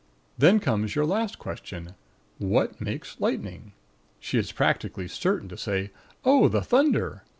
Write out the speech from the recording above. Then comes your last question: "What makes lightning?" She is practically certain to say, "Oh, the thunder."